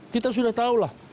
kita sudah tahulah